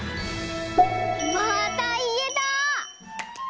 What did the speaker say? またいえた！